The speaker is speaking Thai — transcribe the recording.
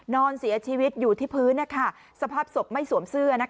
นอนเสียชีวิตอยู่ที่พื้นสภาพศพไม่สวมเสื้อ